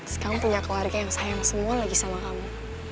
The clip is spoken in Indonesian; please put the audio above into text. sekarang punya keluarga yang sayang semua lagi sama kamu